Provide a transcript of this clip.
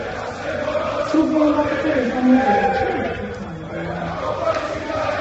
Tugenda kukozesa mmotoka ki nga tutambula.